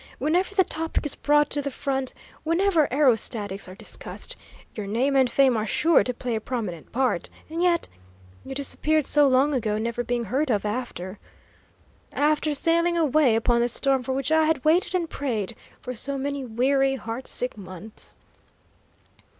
Whenever the topic is brought to the front; whenever aerostatics are discussed, your name and fame are sure to play a prominent part. And yet, you disappeared so long ago, never being heard of after " "After sailing away upon the storm for which I had waited and prayed, for so many weary, heart sick months!"